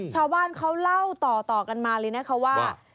ชาวบ้านเขาเล่าต่อกันมาเลยนะคะว่า